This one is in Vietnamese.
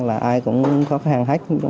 là ai cũng khó khăn hết